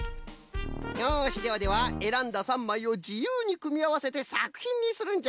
よしではではえらんだ３まいをじゆうにくみあわせてさくひんにするんじゃ。